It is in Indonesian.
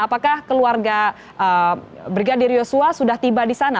apakah keluarga brigadir yosua sudah tiba di sana